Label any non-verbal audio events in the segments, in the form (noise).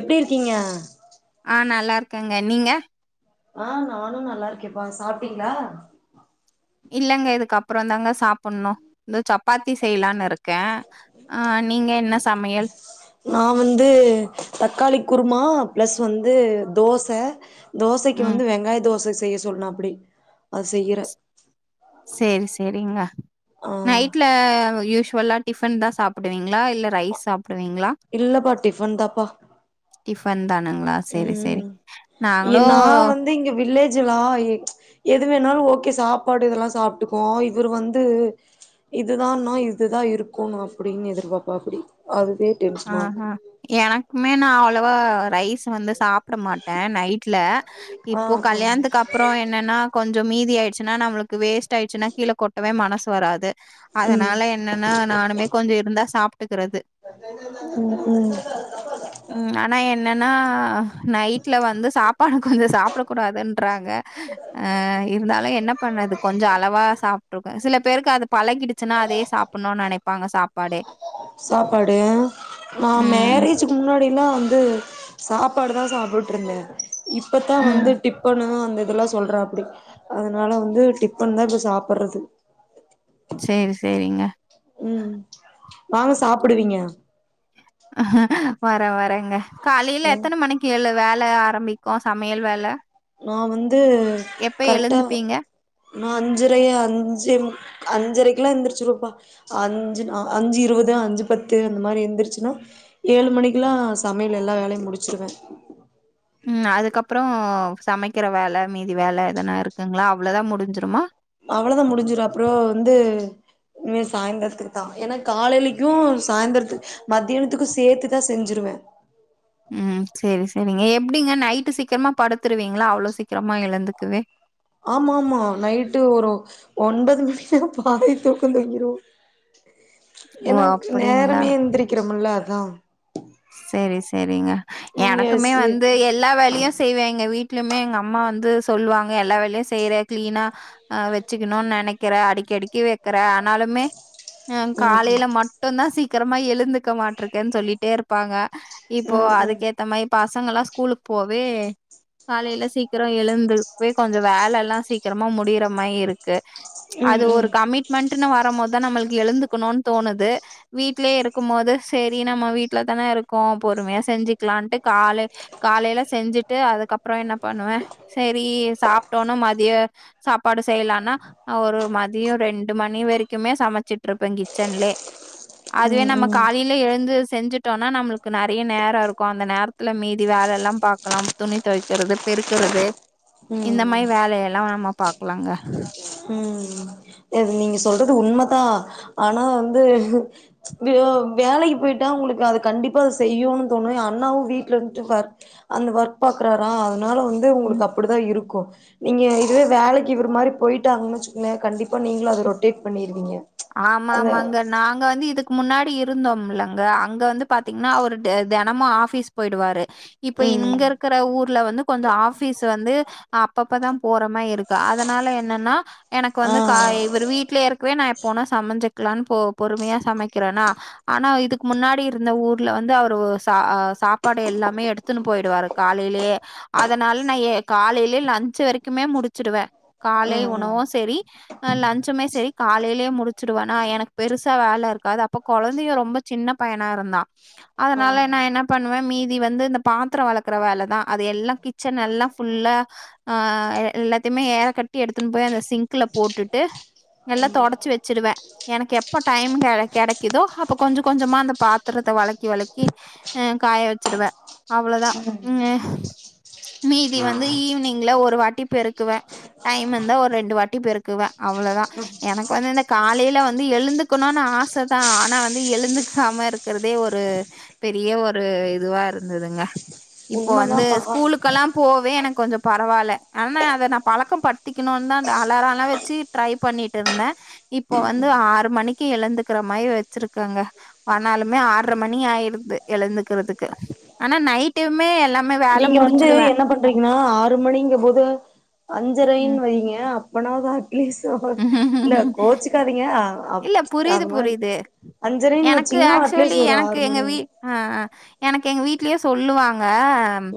எப்டியிருக்கீங்க நல்லாயிருக்கங்க நீங்க ஆஹ நானும் நல்லா இருக்கேன்ப்பா சாப்ட்டீங்களா இல்லங்க இதுக்கு அப்புறம் தாங்க சாப்டணும் இந்த சப்பாத்தி செய்யலான்னு இருக்கேன் ஆஹ நீங்க என்ன சமையல் மா பிளஸ் வந்து தோசை தோசைக்கு ம் வந்து வெங்காயம் தோசை செய்ய சொன்ன அப்டி அது செய்யற சரி சரிங்க ஆ நைட்ல யூஸ்வலா டிஃபன் தான் சாப்பிடுவீங்களா இல்ல ரைஸ் சாப் டுவீங்களா இல்லப்பா டிஃபன் தாப்பா டிஃபன் தானங்களா சரி சரி ம் நாங்களு வில்லேஜ்லாம் எது வேணாலும் ஓகே சாப்பாடு இதெல்லாம் சாப்ட்டுக்குவோம் இவர் வந்து இதுதான்னா இதுதான் இருக்கனும் அப்டின்னு எதிர்பார்ப்பாப்டி அது ஆஹஹ எனக்குமே நான் அவ அவ்ளவா ரைஸ் வந்து சாப்ட மாட்டேன் நைட்ல ஆ இப்போ கல்யாணத்துக்கு அப்புறம் என்னன்னா கொஞ்சம் மீதி ஆயிடுச்சுன்னா நம்மளுக்கு வேஸ்ட் ஆயிடுச்சுன்னா கீழ கொட்டவே மனசு வராதே ம் அதனால என்னன்னா நானுமே கொஞ்சம் இருந்தா சாப் ட்டுக்கிறது உம் உம் னா நைட்ல வந்து சாப்பாடு கொஞ்சம் சாப்டக் கூடாதுன்றாங்க ஆஹ இருந்தாலும் என்ன பண்ணது கொஞ்சம் அளவா சாப்ட்க்குவே சில பேருக்கு அத பழகிடுச்சுன்னா அதே சாப்பிடணும்னு நினைப்பாங்க சாப்பாடே சாப்பாடு நா ம். மேரேஜ்க்கு முன்னாடி லாம் வந்து சாப்பாடு தான் சாப்டுட்டு இருந்தேன் இப்பத்தான் ம். வந்து டிப்பண்ணு அந்த இதெல்லாம் சொல்ற அப்டி அதனால வந்து டிபன் தான் இப்ப சாப்படுறது சரி சரிங்க உம் வாமா சாப்பிடுவீங்க வரேன் வரேங்க காலையில எத்தனை மணிக்கு எழு வே வேல ஆரம்பிக்கும் சமையல் வேல நான் வந்து எப்ப கரெக்டா எழுந்துப்பீங்க? நான் அஞ்சரைய அஞ்சே அஞ்சரைக்க எல்லாம் எந்திரிச்சுிருவப்பா அஞ்சு அஞ்சு இருபது அஞ்சு பத்து அந்த மாதரி எந்திரிச்சுன்னா ஏழு மணிக்கு எல்லாம் சமையல் எல்லாம் வேலையும் முடிச்சிருவேன் உம் அதுக்கப்புறம் சமைக்கிற வேலை மீதி வேலை எதனா இருக்குங்களா அவ்ளதான் முடிஞ்சிருமா அவ்ளதான் முடிஞ்சிரும் அப்புறம் வந்து இனிமே சாயந்திரத்துக்கு தான் ஏன்னா காலையிலக்கும் சாயந்திரத்து மத்தியானத்துக்கும் சேர்த்துதான் செஞ்சிருவேன் உம் சரி சரிங்க எப்டிங்க நைட்டு சீக்கிரமா படுத்துருவீங்களா அவ்ளோ சீக்கிரமா எழுந்துக்குவே ஆமா ஆமா நைட்டு ஒரு ஒன்பது மணிக்கெலாம் பாதி தூக்கம் தூங்கிருவோம் ஓ! ஏன்னா அப்படிங்களா? நேரமே எந்திரிக்கிறோமுல ஆஹ சரி சரிங்க நீங்க எனக்குமே சி வந்து எல்லா வேலையும் செய்வேங்க வீட் லுமே எங்க அம்மா வந்து சொல்லுவாங்க எல்லா வேலையும் செய்ற கிளீனாஹ வச்சுக்கணும்னு நினைக்கிற அடிக்க அடிக்க வைக்கற ஆனாலுமே அஹ ம் காலையில மட்டும்தான் சீக்கிரமா எழுந்து இருக்க மாட்டிருக்கே சொல்லிட்டே இருப் பாங்க ம் இப்போ ம் அதுக்கு ஏத்த மாரி பசங்க எல்லாம் ஸ்கூலுக்கு போவே காலையில சீக்கிரம் எழுந்துமே கொஞ்சம் வேலை சீக்கிரமா முடியற மாரி இருக்குனா அது ம் ஒரு ம் கமிட்மெண்ட்னு வரும்போது தான் நம்மளுக்கு எழுந்து இருக்கணும் தோணுது வீட்லயே இருக்கும் போது சரி நம்ம வீட்டு வீட்ல தானே இருக்கோம் பொறுமையா செஞ்சுக்கலான்ட்டு கால காலையில செஞ்சுட்டு அதுக்கப்புறம் என்ன பண்ணுவேன் சரி சாப்டோனா மதியம் சாப்பாடு செய்யலனா ஒரு மதியம் ரெண்டு மணி வரைக்குமே சமைச்சிட்டு இருப்பேன் கிச்சன்லயே ம் அதுவே ம் நம்ம காலையில எழுந்து செஞ்சு டோம்னா நம்மளுக்கு நிறைய நேரம் இருக்கும் அந்த நேரத்துல மீதி வேலை எல்லாம் பார்க்கலாம் துணி துவைக்கிறது பெருக்குறது ம் இந்த ம் மாரி வேலைய எல்லாம் நம்ம பாக்கலாங்க ம் இது நீங்க சொல்றது உண்மைதான் ஆனா வந்து வேலைக்கு போயிட்டா உங்களுக்கு அது கண்டிப்பா செய்யனும்னு தோணும் அண்ணாவும் வீட்ல இருந்துட்டு ஒர்க் அந்த ஒர்க் பாக்குறாரா அதனால வந்து உங்களுக்கு ம் அப்டி தான் இருக்கும் நீங்க இதுவே வேலைக்கு இவரு மாரி போயிட்டாங்கன்னா வச்சுங்ளேன் கண்டிப்பா நீங்களும் அது ரொட்டேட் பண்ணிருவீங்க ஆமா ஆமாங்க நாங்க வந்து இதுக்கு முன்னாடி இருந்தோம்லங்க அங்கே வந்து பார்த்தீங்கன்னா அவர் தெனமும் ஆஃபீஸ் போயிடுவாரு இப்ப ம் இங்க இருக்கிற ஊர்ல வந்து கொஞ்ச ஆபீஸ் வந்து அப்பப்பதான் போற மாரி இருக்கு அதனால என்னன்னா எனக்கு ஆ வந்து கா இவரு வீட்லயே இருக்கவே நான் போனா சமைச்சுக்கலாம்னு போ பொறுமையா சமைக்கிறேனா ஆனா இதுக்கு முன்னாடி இருந்த ஊர்ல வந்து அவர் ச சாப்பாடு எல்லாமே எடுத்துன்னு போயிடுவாரு காலையிலேயே அதனால நான் ஏ காலையிலயே லன்ச் வரைக்குமே முடிச் சிடுவேன் காலை ம் ம் உணவும் சரி லன்சுமே சரி காலையி லே முடிச்சிடுவேனா எனக்கு பெருசா வேலை இருக்காது அப்ப அப்ப குழந்தையும் ரொம்ப சின்ன பையனா இருந்தான் ஆ அதனால நான் என்ன பண்ணுவேன் மீதி வந்து இந்த பாத்திரம் வெளக்குற வேலைதான் அது எல்லாம் கிச்சன் எல்லாம் புல்லாஹ எல்லாத்தையுமே ஏற கட்டி எடுத்துன்னு போய் அந்த சிங்க்ல போட்டுட்டு எல்லா துடை ச்சுடுவேன் எனக்கு எப்போ டைம் கிடைக்குதோ அப்ப கொஞ்சம் கொஞ்சமா அந்த பாத்திரத்தை வெளக்கி வெளக்கி காய வச்சுடுவேன் அவ்ளோதான் உம் மீதி வந்து ஈவ்னிங்ல ஒரு வாட்டி பெருக்குவேன் டைம் இருந்தா ஒரு ரெண்டு வாட்டி பெருக்குவேன் அவ்ளதான் எனக்கு காலையில வந்து எழுந்துக்கணும்னு ஆசை தான் ஆனா வந்து எழுந்துக்காம இருக்கிறதே ஒரு பெரிய ஒரு இதுவா இருந்ததுங்க இப்போ வந்து உண்மதாப்பா ஸ்கூலுக்கெல்லாம் போவே எனக்கு கொஞ்சம் பரவால்ல ஆனா அத நான் பழக்கம் படுத்திக்கணும்னு தான் அலாரலாம் வச்சு ட்ரை பண்ணிட்டு இருந்தேன் இப்போ வந்து ஆறு மணிக்கு எழுந்துக்கற மாரி வச்சிருக்கேங்க ஆனாலுமே ஆறரை மணி ஆயிருது எழுந்துக்கறதுக்கு ஆனா நைட்டுமே எல்லாம் நீங்க வந்து என்ன பண்றீங்கன்னா ஆறு மணிங்க போது ம். அஞ்சரைன்னு வைங்க அப் பண்ணேதா ஏசோபா இல்ல கோவிச்சுக்காதீங்க இல்ல புரியுது புரியுது அஞ்சரைன்னு எனக்கு வச்சீங்கன்னா ஆக்ச்வலி அட்லீஸ்ட் ஒரு எனக்கு ஆறு எங்க மணி வீ அஹ அஹ எனக்கு எங்க வீட்லேயே சொல்லுவாங்க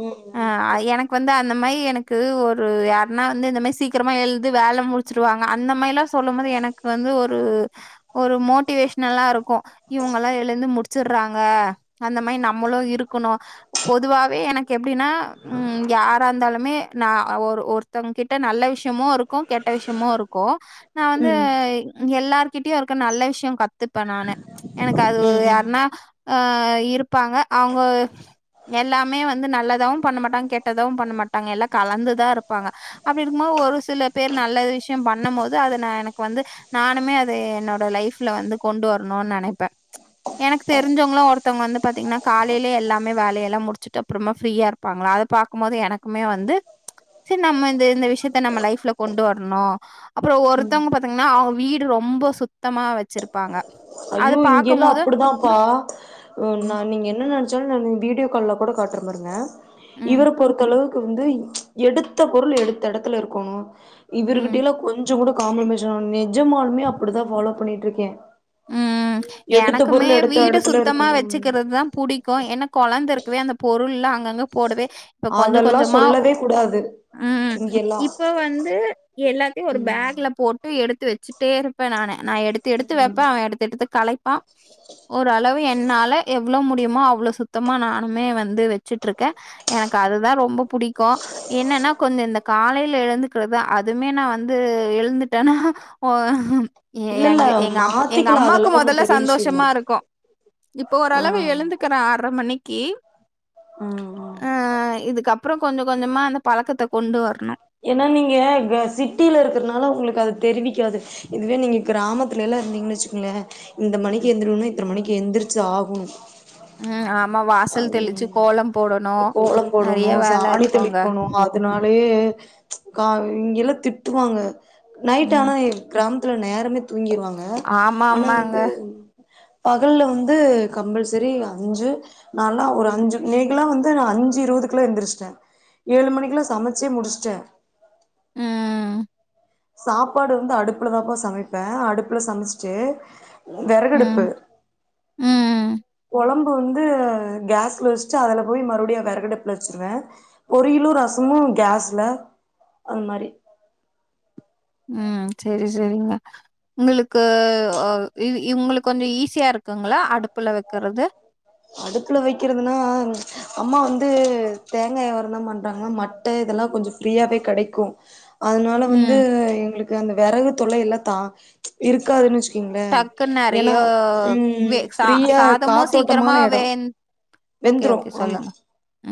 ம் இப்ப ஆ எனக்கு வந்து அந்த மாரி எனக்கு ஒரு யாருன்னா வந்து இந்த மாரி சீக்கிரமா எழுந்து வேலை முடிச்சுடுவாங்க அந்த மாரிலாம் சொல்லும் போது எனக்கு வந்து ஒரு ஒரு மோட்டிவேஷனல்லா இருக்கும் இவுங்க எல்லாம் எழுந்து முடிச்சுடுறாங்க அந்த மாரி நம்மளும் இருக்கணும் பொதுவாவே எனக்கு எப் அப்டின்னா உம் யாராருந்தாலுமே நான் ஒரு ஒருத்தவங்க கிட்ட நல்ல விஷியமும் இருக்கும் கெட்ட விஷியமும் இருக்கும் நான் வந்து ம் எல்லார் கிட்டையும் இருக்க நல்ல விஷியோ கத்துக் ப்ப நானு எனக்கு அது ம் ம் யாருன்னா இருப்பாங்க அவுங்க எல்லாம் மே வந்து நல்லதாவும் பண்ண மாட்டாங்க கெட்டதாவும் பண்ண மாட்டாங்க எல்லாம் கலந்துதான் இருப்பாங்க அப்டி இருக்கும்போது ஒரு சில பேர் நல்ல விஷயம் பண்ணும் போது அது எனக்கு வந்து நானுமே என்னோட லைஃப்ல வந்து கொண்டு வரணும்னு நெனைப்பேன் எனக்கு தெரிஞ்சவங்களும் ஒருத்தவங்க வந்து பாத்தீங்கன்னா காலையில எல்லாமே வேலைய எல்லாம் முடிச்சுட்டு அப்புறமா ஃப்ரீயா இருப்பாங்களா அதை பாக்கும் போது எனக்குமே வந்து சரி நம்ம இந்த இந்த விஷயத்த நம்ம லைஃப்ல கொண்டு வரணும் அப்புறம் ஒருத்தவங்க பாத்தீங்கன்னா அவுங் வீடு ரொம் ரொம்ப சுத்தமா வச்சிருப்பாங்க அத ஐயோ இங்கெல்லாம் பாக்கும்போது அப்டிதாப்பா உ ந ம், நீங்க என்ன நினைச் ஜல் வீடியோ கால்ல கூட காட்ரே பாருங்க ம். இவர் பொறுத்தளவுக்கு இப்ப வந்து எடுத்த பொருள் எடுத்த இடத்துல இருக்கணும் ம். இவர்கிட்டில கொஞ் கொஞ்ச கூட கான்பர்மேஷன் ஆனுமே நிஜமாளுமே அப்டிதான் ஃபாலோ பண்ணிட் ருக்கேன் உம் உம் எனக்குமே வீடு எடத்துல சுத்தமா இருக்கணு வச்சுக்கிறது தான் புடிக்கும் என்ன கெழந்த இருக்கவே அந்த பொருள் அங் போடவே இப்ப கொஞ்ச அதெல்லா கொஞ்சமா சொல்லவே கூடாது உம் இங்கெல்லா இப்ப வந்து எல்லாத்தையும் ஒரு ம் பேக்ல போட்டு எடுத் இது வச்சுட்டே இருப்பேன் நானே நான் எடுத்து எடுத்து வெப் அப்பா எடுத்து எடுத்து கலைப்பான் ஒரு அளவு என் என்னால எவ்வளவு முடியுமோ அவ்ளோ சுத்தமா நானுமே வந்து வச்சுட்டு இருக்கேன் எனக்கு அதுதான் ரொம்ப பிடிக்கும் என்னன்னா கொஞ்சம் இந்த காலையில எழுந்துக்கறத அதுமே நான் வந்து எழுந்துட்டேன்னா ஒ ஹ இல்ல இல்ல மாத்தி அம்மாக்கு முதல்ல சந்தோஷமா இருக்கும் இப்ப ஆ ஓரளவு எழுந்துக்கிற ஆரவ் மன்னிக்கி அஹ் இதுக்கப் அப்புறம் கொஞ்சம் கொஞ்சமா அந்த பழக்கத்தை கொண்டு வரணும் ஏன்னா நீங்க இங்க சிட்டியில இருக்குறதுனால உங்களுக்கு அது தெரிவிக்காது இதுவே நீங்க கிராமத்துல எல்லாம் இருந்தீங்கன்னு வச்சுக்கங்களேன் இந்த மணிக்கு (unintelligible) இத்தன மணக்கு ஏந்திரச்சு ஆகுனும் உம் ஆமா வாசல் தெளிச்சு கோலம் போடணும் கோல போடணு நறைய வேல சாணி இருக்கும் அங்க தெளிக்கணு (unintelligible) கா இங்க எல்லாம் திட்டுவாங்க நைட் ஆனா இ கிராம் இல்ல நேரமே தூங்கிருவாங்க ஆனா ஆம்மாம்மாங்க வந்து பகல்ல வந்து கம்பல்சரி அஞ்சு நான்லாம் ஒரு அஞ்சு லீகல்லா வந்து நான் அஞ்சு இருபதுக்கெள்ளாம் எழுந்திரச்சிட்டேன் ஏழு மணிக்கெல்லாம் சமைச்சே முடிச்சிட்டேன் உம் சாப்பாடு வந்து அடுப்புல தான்ப்ப சமைப்பேன் அடுப்புல சமைச்சிட்டு வெறகு அடுப்பு உம் குழம்பு வந்து கேஸ்ல வச்சுட்டு அதுல போய் மறுபடியும் விறகடுப்புல வச்சிருவேன் பொரியிலும் ரசமும் கேஸ்ல அது மாதிரி ம் சரி சரிங்க உங்களுக்கு ஒரு இங்களுக்கு கொஞ்சம் ஈஸியா இருக்குங்களா அடுப்புல வைக்கறது அடுப்புல வைக்கிறதுன்னா ம் அம்மா வந்து தேங்காய் எவரந்தான் பண்றாங்க மட்டை இதெல்லாம் கொஞ்சம் ஃப்ரீயாவே கிடைக்கும் அதனால வந்து ம். எங்களுக் அந்த விறகு தொலை எல்லாம் தாங் இருக்காதுன்ன வச்சு டக்குன் நறையோ வெ ம் ச ஃப்ரீயா சாதமா சீக் சிக்ரமாவேந் வெந்துரும் ஆமா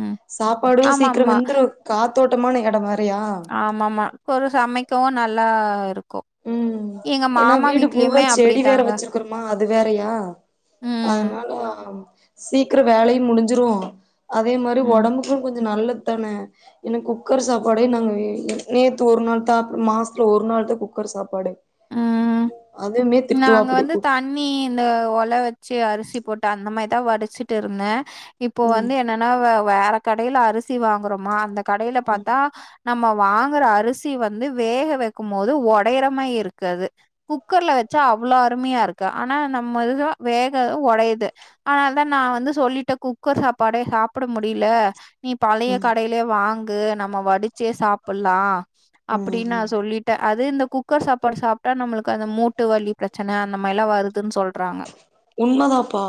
ம். சாப்பாடு சீக்கிரம் வெந்துரும் கா த் தோட்டமான இடம்மார் இரு ஆமா ம் மா ஒரு சமைக் கோ நல்லா இருக் உம் ஏன்னா வீடுபூற செடி வேற அப்படித்தாங்க. வச்சிருக்குகோமா அது வேறையா ம். அதனால சீக்கிரம் வேலையும் முடிஞ்சிரும் அதே மாதிரி ம். உடம்புக்கு கொஞ்சம் நல்ல தானே என குக்கர் சாப்பாடே நாங்க நேத்து ஒரு நாள் தான் அப்புறம் மாசத்துல ஒரு நாள் தான் குக்கர் குக்கர் சாப்பாடு ம். அது நாங்க வந்து தண்ணி இந்த ஒலை வச்சு அரிசி போட்டு அந்த மாரி தான் வடிச்சிட்டு இருந்தேன் இப்போ ம் வந்து என்னன்னா வேற கடையில் அரிசி வாங்குறோமா கடையில பார்த்தா நம்ம வாங்குற அரிசி வந்து வேக வைக்கும் போது ஒடையரம இருக்காது குக்கர்ல ச்சா அவ்வளவு அருமையா இருக்கு ஆனா நம்மது வேக உடையுது ஆனால தான் நான் வந்து சொல்லிட்டே குக்கர் சாப்பாடே சாப்பிட முடியல நீ பழைய ம் கடையிலே வாங்கு க்கு நம்ம வடிச்சே சாப்பிடலாம் அப்படி ம் ம் நான் சொல்லிட்டேன் அது இந்த குக்கர் சாப்பாடு சாப்பிட்டா நம்மளுக்கு அந்த மூ ட்டு வலி பிரச்சனை அந்த மாதிரிலாம் வருதுன்னு சொல்றாங்க உண்மைதான்ப்பா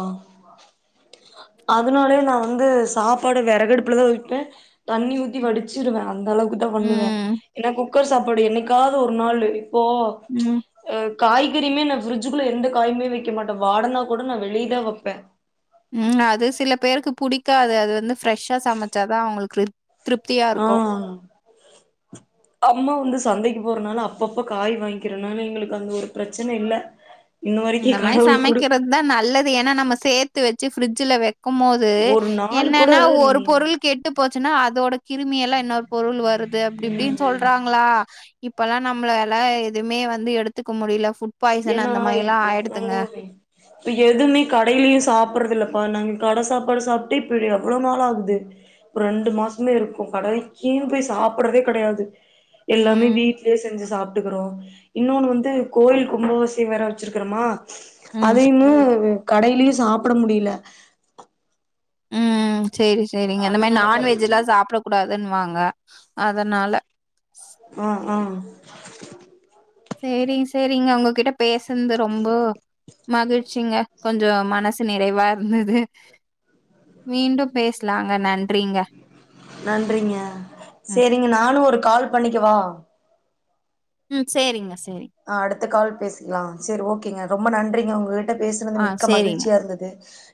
அதனாலேயே நான் வந்து சாப்பாடு விறகடுப்புலதான் வடிப்பேன் தண்ணி ஊத்தி வடிச்சிருவேன் அந்த அளவுக்கு தான் பண்ணுவேன் ம். எனா குக்கர் சாப்பாடு என்னைக்காவது ஒரு நாள் போ ம். அ காய்கறியுமே நான் ஃப்ரிட்ஜுகுள்ள எந்த காயுமே வைக்க மாட்டன் வாடனா கூட நான் வெளியேதான் வைப்பேன் உம் அது சில பேருக்கு புடிக்காது அது வந்து ஃப்ரெஷ்ஷா சமைச்சாதான் அவங்களுக்கு திருப்தியா இருக்கும். ஆஹ் அம்மா வந்து சந்தை போறனாலும் அப்பப்ப காய் வாங்கிக்கறனாலும் எங்களுக்கு அந்த ஒரு பிரச்சனை இல்ல இன்ன வரைக்கு இந்த மாதிரி கடவுள் கொடு சமைக்கிறதுதான் நல்லது ஏன்னா நம்ம சேத்து வச்சு பிரிட்ஜ்ஜூல இருக்குமோது ஒரு நாள் கூட என்னன்னா நீ ஒரு பொருள் கெட்டு போச்சுன்னா அதோட கிருமியெல்லாம் என்னாகும் பொருள் வருது அப்படி இப்படின்னு ம் சொல்றாங்களா இப்பல்லாம் நம்மளால எதுவுமே வந்து எடுத்துக்க முடியல ஃபுட் பாய்சன் அந்த மாதிரி மா இது எதுவுமே கடையிலயும் சாப்படுறது இல்ல ப்ப நாங்க கட சாப்பாடு சாப்ட்டு இப்ப எவ்வளவு நாள் ஆகுது ரெண்டு மாசமே இருக்கும் கடைக்கே போய் சாப்டறதே கெடையாது எல்லாமே ம். வீட்லேயே செஞ்சு சாப்பிட்டுக்கிறோம் இன்னொன்னு வந்து கோயில் கும்பாபிக்ஷே வேற வச்சிருக்கறமா ம். அதையும்மு கடையிலயும் சாப்புட முடில உம் சேரி சேரிங்க அந்த மாரி அதனாலதா நான்வெஜ்லாம் சாப்பிடக்கூடாது ன்னு வாங்க அதனால உம் உம் (inaudible) சேரிங் சேரிங்க உங்ககிட்ட பேசன்து ரொம்ப மகிழ்ச்சிங்க கொஞ்சம் மனசு நிறைவா இருந்தது மீண்டும் பேசலாங்க நன்றிங்க நன்றிங்க ம். சேரிங்க நானும் ஒரு கால் பண்ணிக்கவா ம் சேரிங்க ஆஹ் அடுத்த கால் பேசிக்கலாம் சரி ஓகேங்க ரொம்ப நன்றிங்க உங் பேசுறது ஆ, மிக்க சரிங்க. மகிழ்ச்சியா இருந்தது